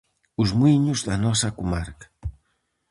Os muíños da nosa comarca.